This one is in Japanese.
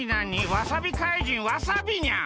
わさび怪人わさびにゃん。